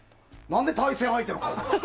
何で対戦相手だよ。